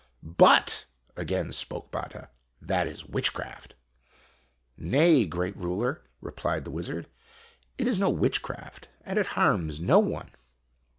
" But," again spoke Batta, "that is witchcraft." " Nay, great ruler," replied the wizard, " it is no witchcraft, and it harms no one."